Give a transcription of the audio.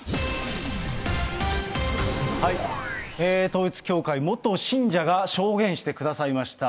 統一教会元信者が証言してくださいました。